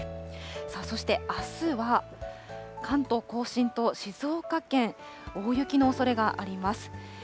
そしてあすは、関東甲信と静岡県、大雪のおそれがあります。